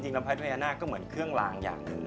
จริงแล้วเพชรพญานาคก็เหมือนเครื่องรางอย่างหนึ่ง